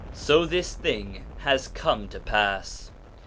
So this thing has come to pass.